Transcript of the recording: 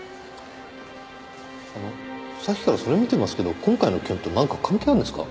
あのさっきからそれ見てますけど今回の件となんか関係あるんですか？